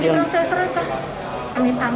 ini yang saya serahkan